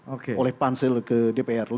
oleh pansel ke dpr